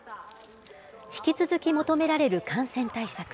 引き続き求められる感染対策。